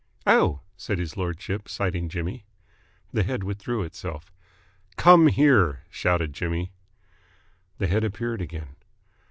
"Oh!" said his lordship, sighting Jimmy. The head withdrew itself. "Come here!" shouted Jimmy. The head appeared again.